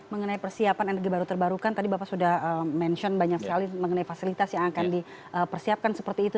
mengenai persiapan energi baru terbarukan tadi bapak sudah mention banyak sekali mengenai fasilitas yang akan dipersiapkan seperti itu